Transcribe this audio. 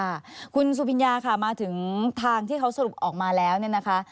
ค่ะคุณสุพิญญาค่ะมาถึงทางที่เขาสรุปออกมาแล้วเนี่ยนะคะ